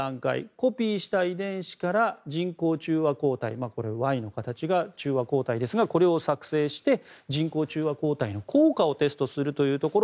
コピーした遺伝子から人工中和抗体Ｙの形が中和抗体ですがこれを作成して人工中和抗体の効果をテストするというところ。